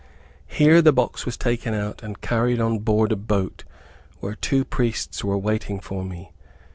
Here the box was taken out and carried on board a boat, where two priests were waiting for me.